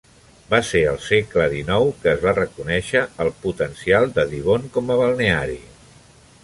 Va ser al segle XIX que es va reconèixer el potencial de Divonne com a balneari.